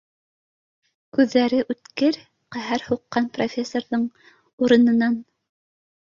Күҙҙәре үткер ҡәһәр һуҡҡан профессорҙың, урынынан